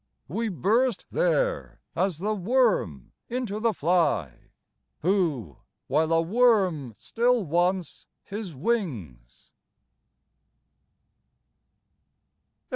We burst There as the worm into the fly, Who while a worm still wants his wings."